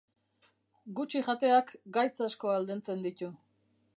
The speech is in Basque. Gutxi jateak gaitz asko aldentzen ditu.